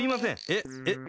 えっえっ？